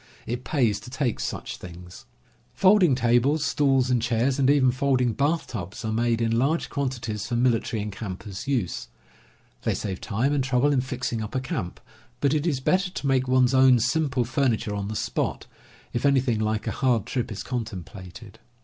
It pays to take such things. Folding tables, stools, and chairs, and even folding bath tubs, are made in large quantities for military ^and campers' use. Thev save time and Tent Fur x i i •^• u i. x • trouble in iixmg up a camp, but it is better to make one's own simple furni ture on the spot, if anything like a hard trip is contem plated.